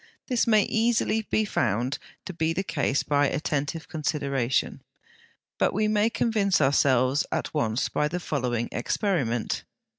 This may be easily found to be the case by attentive consideration, but we may convince ourselves at once by the following experiment.